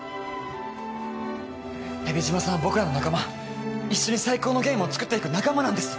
蛇島さんは僕らの仲間一緒に最高のゲームを作っていく仲間なんです